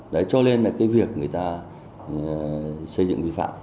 đấy cho nên là cái việc người ta xây dựng vi phạm